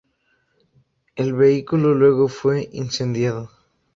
El vehículo luego fue incendiado.